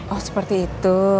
oh seperti itu